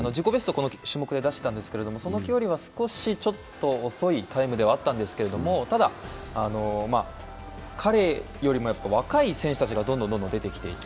この種目で出したんですけどそのときよりは少し遅いタイムではあったんですけどただ彼よりも若い選手たちがどんどん出てきていて。